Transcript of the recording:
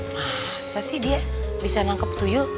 masa sih dia bisa nangkep tuyu